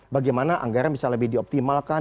bagaimana anggaran bisa lebih dioptimalkan